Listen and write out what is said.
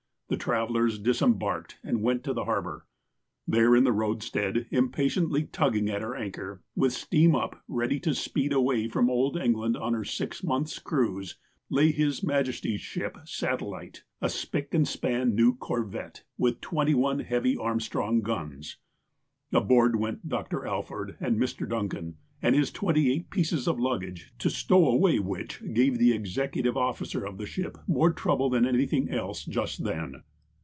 The travellers disembarked and went to the harbour. There, in the roadstead, impatiently tugging at her anchor, with steam up, ready to speed away from old England on her six months' cruise, lay H. M. S. Satellite^ a spick and span new corvette, with twenty one heavy Armstrong guns. Aboard went Dr. Alford and Mr. Duncan, and his twenty eight pieces of luggage, to stow away which gave the executive officer of the ship more trouble than any thing else just then.